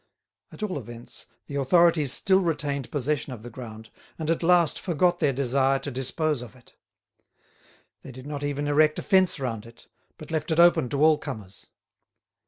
At all events the authorities still retained possession of the ground, and at last forgot their desire to dispose of it. They did not even erect a fence round it, but left it open to all comers.